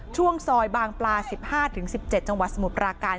ช่วงซอยบางปลา๑๕๑๗จังหวัดสมุทรปราการ